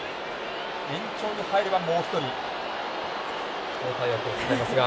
延長に入れば、もう一人交代枠、使えますが。